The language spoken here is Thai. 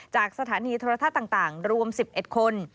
จากสถานีโทรทัศน์ต่างรวม๑๑คน